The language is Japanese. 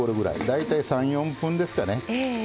大体３４分ですかね